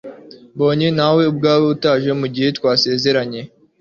mbonye nawe ubwawe utaje mu gihe twasezeranye